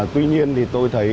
tuy nhiên thì tôi thấy